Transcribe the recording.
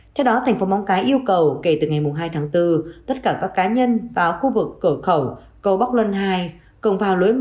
theo đó tp mông cái yêu cầu kể từ ngày hai tháng bốn tất cả các cá nhân vào khu vực cửa khẩu cầu bóc luân hai